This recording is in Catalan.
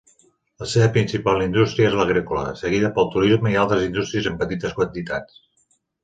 La seva principal indústria és l'agrícola, seguida pel turisme i altres indústries en petites quantitats.